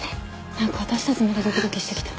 なんか私たちまでドキドキしてきた。